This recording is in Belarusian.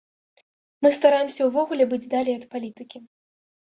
Мы стараемся ўвогуле быць далей ад палітыкі.